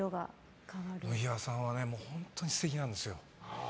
野際さんは本当に素敵なんですよ。